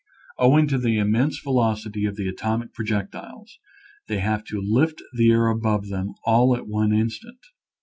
Owing to the immense velocity of the atomic projectiles, they have to lift the air above all at one instant.